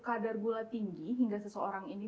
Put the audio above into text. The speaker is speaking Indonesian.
kadar gula tinggi hingga seseorang ini